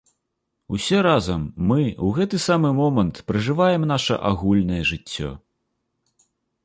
Усе разам мы ў гэты самы момант пражываем наша агульнае жыццё.